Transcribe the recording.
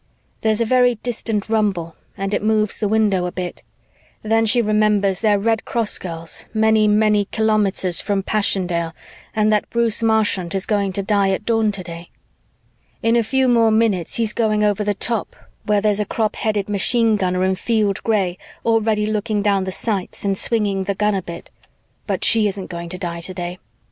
There's a very distant rumble and it moves the window a bit. Then she remembers they're Red Cross girls many, many kilometers from Passchendaele and that Bruce Marchant is going to die at dawn today. "In a few more minutes, he's going over the top where there's a crop headed machine gunner in field gray already looking down the sights and swinging the gun a bit. But she isn't going to die today.